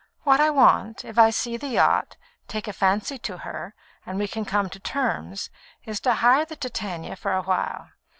What I want, if I see the yacht, take fancy to her, and we can come to terms, is to hire the Titania for a while.